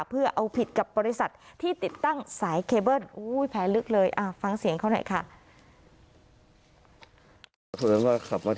เพื่อเอาผิดกับบริษัทที่ติดตั้งสายเคเบิ้ล